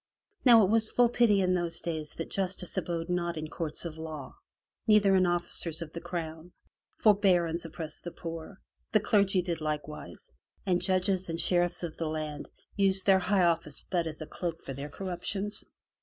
Now it was full pity in those days that Justice abode not in courts of law, neither in officers of the Crown; for barons oppressed the poor, the clergy did likewise, and judges and sheriffs of the ^woods. beautiful. A9 MY BOOK HOUSE land used their high office but as a cloak for their corruptions.